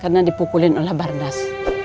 karena dipukulin oleh barnas